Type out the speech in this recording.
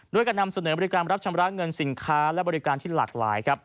การนำเสนอบริการรับชำระเงินสินค้าและบริการที่หลากหลายครับ